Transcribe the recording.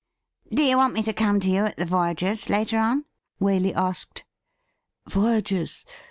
' Do you want me to come to you at the Voyagers' later on ? Waley asked. ' Voyagers'